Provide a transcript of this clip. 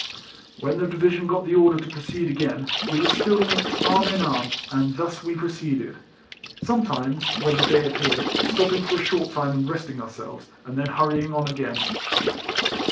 When the division got the order to pro ceed again, we were still linked arm in arm, and thus we proceeded; sometimes, when tlie day appeared, stopping for a short time and resting ourselves, and then hurrying on again.